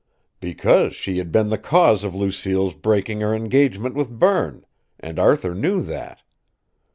"Because she had been the cause of Lucille's breaking her engagement with Berne and Arthur knew that.